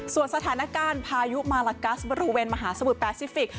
ส่วนสถานการณ์พายุมาลากัสบริเวณมหาสมุทรแปซิฟิกส